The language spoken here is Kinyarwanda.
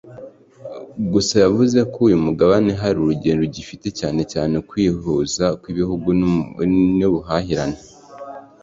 Gusa yavuze ko uyu mugabane hari urugendo ugifite cyane cyane mu kwihuza kw’ibihugu n’ubuhahirane